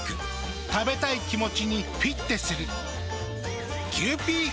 食べたい気持ちにフィッテする。